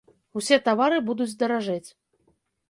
Усе тавары будуць даражэць.